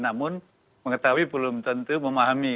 namun mengetahui belum tentu memahami